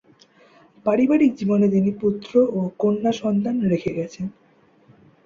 পারিবারিক জীবনে তিনি পুত্র ও কন্যা সন্তান রেখে গেছেন।